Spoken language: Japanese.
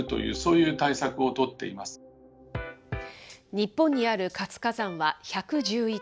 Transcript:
日本にある活火山は１１１。